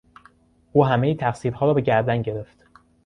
او همهی تقصیرها را به گردن گرفت.